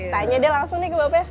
tanya deh langsung nih ke bapak